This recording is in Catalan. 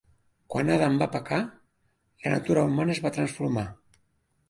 Quan Adam va pecar, la natura humana es va transformar.